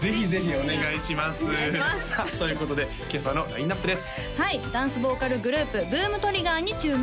お願いしますさあということで今朝のラインナップです